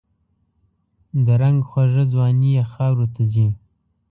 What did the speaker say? د رنګ خوږه ځواني یې خاوروته ځي